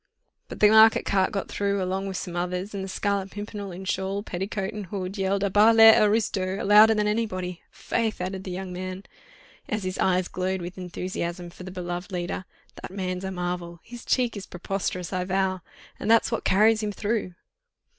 But the market cart got through along with some others, and the Scarlet Pimpernel, in shawl, petticoat and hood, yelled 'À bas les aristos!' louder than anybody. Faith!" added the young man, as his eyes glowed with enthusiasm for the beloved leader, "that man's a marvel! His cheek is preposterous, I vow!—and that's what carries him through."